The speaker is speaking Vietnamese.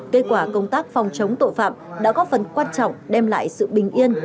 kết quả công tác phòng chống tội phạm đã góp phần quan trọng đem lại sự bình yên